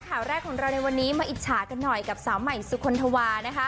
ข่าวแรกของเราในวันนี้มาอิจฉากันหน่อยกับสาวใหม่สุคลธวานะคะ